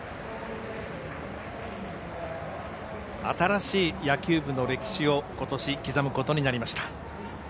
新しい野球部の歴史をことし、刻むことになりました。